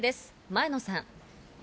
前野さん。